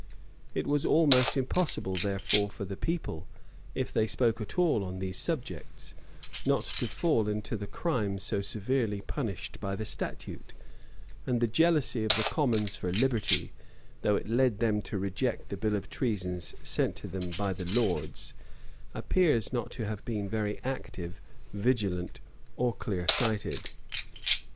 It was almost impossible, therefore, for the people, if they spoke at all on these subjects, not to fall into the crime so severely punished by the statute; and the jealousy of the commons for liberty, though it led them to reject the bill of treasons sent to them by the lords, appears not to have been very active, vigilant, or clearsighted.